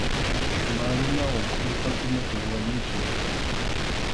Marunawan kʼurpakunata wañuchiy.